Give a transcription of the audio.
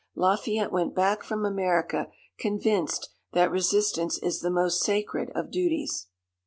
Lafayette went back from America convinced that "resistance is the most sacred of duties."